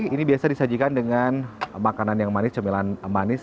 ini biasa disajikan dengan makanan yang manis cemilan manis